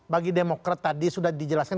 bagi demokrat tadi sudah dijelaskan